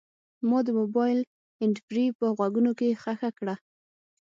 ما د موبایل هینډفري په غوږونو کې ښخه کړه.